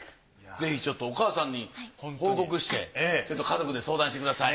ぜひちょっとお母さんに報告して家族で相談してください。